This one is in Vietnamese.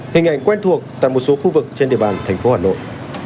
hình ảnh quen thuộc tại một số khu vực trên địa bàn thành phố hà nội